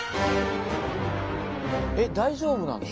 え大丈夫なの？